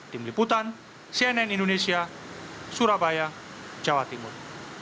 tim liputan cnn indonesia surabaya jawa timur